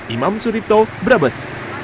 imam suripto brebes